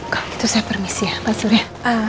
kalau gitu saya permisi ya pak surya